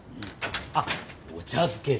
あっお茶漬けで。